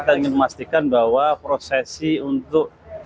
kita ingin memastikan bahwa prosesi untuk